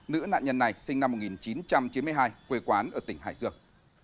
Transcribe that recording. nữ nạn nhân này sinh năm một nghìn chín trăm chín mươi hai quê quán ở tỉnh hải dương